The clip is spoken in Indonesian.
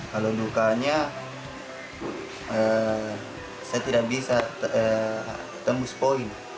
kalau dukanya saya tidak bisa tembus poin